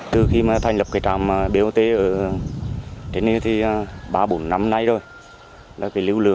từ khi thành lập trạm bot ở tiến yêu thì ba bốn năm nay rồi